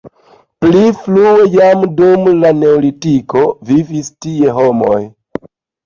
Pli frue jam dum la neolitiko vivis tie homoj.